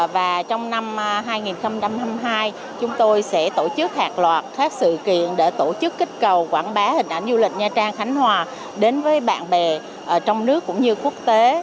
và trong năm hai nghìn hai mươi hai chúng tôi sẽ tổ chức hàng loạt các sự kiện để tổ chức kích cầu quảng bá hình ảnh du lịch nha trang khánh hòa đến với bạn bè trong nước cũng như quốc tế